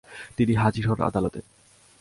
তিনি হাজির হন আদালতে।